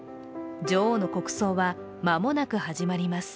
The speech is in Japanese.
女王の国葬は間もなく始まります。